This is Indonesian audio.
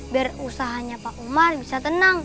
biar usahanya pak umar bisa tenang